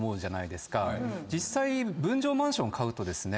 実際分譲マンション買うとですね